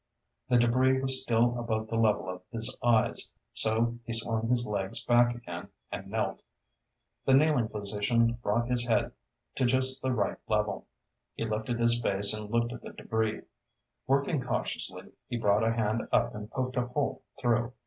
The debris was still above the level of his eyes, so he swung his legs back again and knelt. The kneeling position brought his head to just the right level. He lifted his face and looked at the debris. Working cautiously, he brought a hand up and poked a hole through.